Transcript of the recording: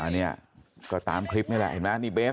เตี๋ยวนี้ก็ตามคลิปนี้แหละเห็นมะนี่เบส